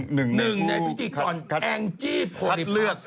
หนึ่งในพิธีกรแองจี้โพริภาค